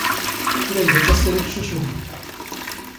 ⴽⵔⴰⵢⴳⴰⵜ ⴰⵙⵙ ⴰⵔ ⵉⵜⵜⵛⵓⵛⵓⴼ.